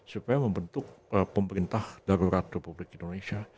supaya membentuk pemerintah darurat republik indonesia